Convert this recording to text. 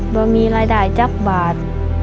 ไม่มีรายได้จับบาท